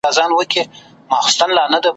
نو بیا ولي ګیله من یې له اسمانه `